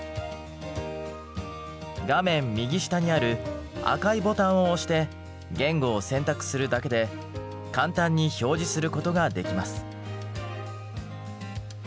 画面右下にある赤いボタンを押して言語を選択するだけで簡単に表示することができます。